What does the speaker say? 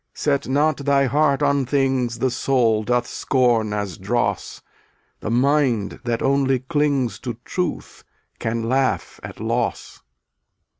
Set not thy heart on things The soul doth scorn as dross; The mind that only clings To truth can laugh at loss.